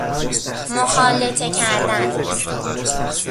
مخالطه کردن